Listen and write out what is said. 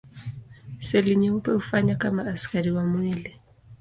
Seli nyeupe hufanya kama askari wa mwili.